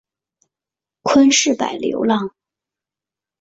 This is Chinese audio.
昆士柏流浪